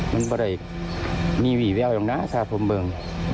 มันไม่ได้มีหวีแววอยู่ข้างหน้าสาธารณ์พร้อมเบิร์น